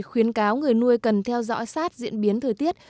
khuyến cáo người nuôi cần theo dõi sát diễn biến thời tiết